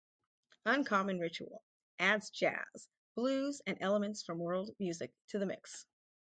"Uncommon Ritual" adds jazz, blues, and elements from world music to the mix.